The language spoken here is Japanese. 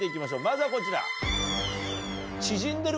まずはこちら。